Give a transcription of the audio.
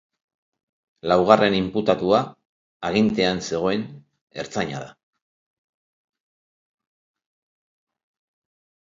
Laugarren inputatua agintean zegoen ertzaina da.